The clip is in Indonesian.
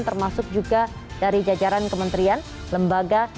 termasuk juga dari jajaran kementerian lembaga